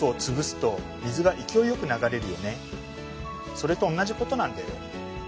それとおんなじことなんだよ。